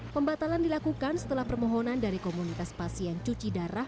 pembatalan dilakukan setelah permohonan dari komunitas pasien cuci darah